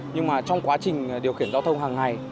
nhưng mà trong quá trình điều khiển giao thông hàng ngày